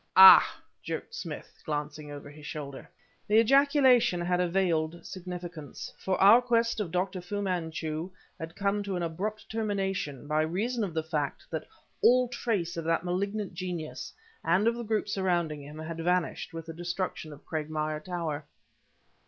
"Ah!" jerked Smith, glancing over his shoulder. The ejaculation had a veiled significance; for our quest of Dr. Fu Manchu had come to an abrupt termination by reason of the fact that all trace of that malignant genius, and of the group surrounding him, had vanished with the destruction of Cragmire Tower.